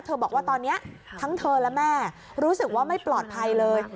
บอกว่าตอนนี้ทั้งเธอและแม่รู้สึกว่าไม่ปลอดภัยเลย